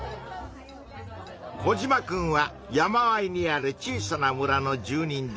コジマくんは山あいにある小さな村の住人だ。